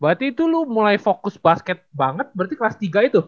berarti itu lu mulai fokus basket banget berarti kelas tiga itu